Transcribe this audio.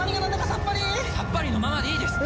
さっぱりのままでいいです。